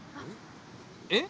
えっ？